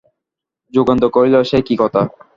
যোগেন্দ্র কহিল, সে কী কথা?